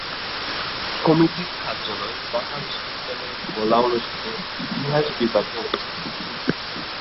সমিতির কার্যালয় ঢাকা বিশ্ববিদ্যালয়ের কলা অনুষদের ইতিহাস বিভাগে অবস্থিত।